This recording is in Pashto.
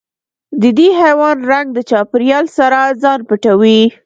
د دې حیوان رنګ د چاپېریال سره ځان پټوي.